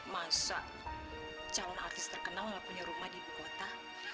masa calon artis terkenal gak punya rumah di ibu kota